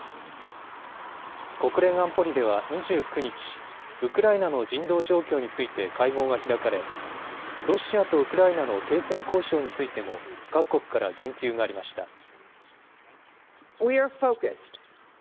国連安保理では２９日、ウクライナの人道状況について会合が開かれロシアとウクライナの停戦交渉についても各国から言及がありました。